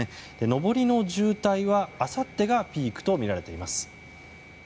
上りの渋滞はあさってがピークとみられています。